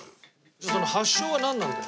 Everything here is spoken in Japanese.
その発祥はなんなんだよ？